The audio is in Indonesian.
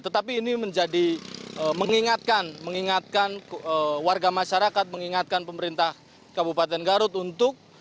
tetapi ini menjadi mengingatkan mengingatkan warga masyarakat mengingatkan pemerintah kabupaten garut untuk